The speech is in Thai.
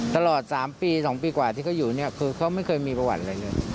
ตลอด๓ปี๒ปีกว่าที่เขาอยู่เนี่ยคือเขาไม่เคยมีประวัติอะไรเลย